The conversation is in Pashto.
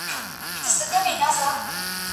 هغه وويل چي کار مهم دی،